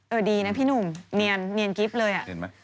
เออดีนะพี่หนุ่มเนียนเนียนกิ๊บเลยอ่ะ